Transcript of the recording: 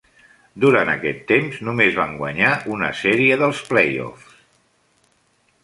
Durant aquest temps, només van guanyar una sèrie dels playoffs.